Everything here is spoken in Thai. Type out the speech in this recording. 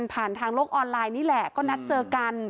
ผ่านทางโลกออนไลน์นี่แหละก็นัดเจอกัน